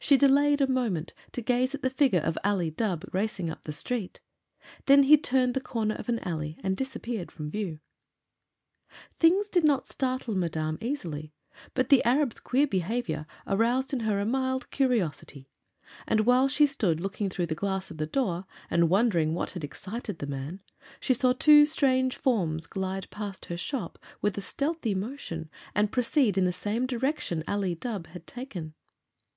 She delayed a moment to gaze at the figure of Ali Dubh racing up the street. Then he turned the corner of an alley and disappeared from view. Things did not startle Madame easily; but the Arab's queer behavior aroused in her a mild curiosity, and while she stood looking through the glass of the door, and wondering what had excited the man, she saw two strange forms glide past her shop with a stealthy motion and proceed in the same direction Ali Dubh had taken.